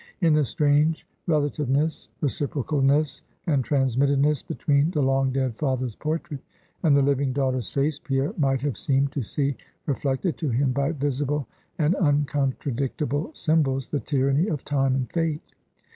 In the strange relativeness, reciprocalness, and transmittedness, between the long dead father's portrait, and the living daughter's face, Pierre might have seemed to see reflected to him, by visible and uncontradictable symbols, the tyranny of Time and Fate.